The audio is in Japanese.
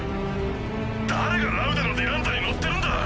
誰がラウダのディランザに乗ってるんだ？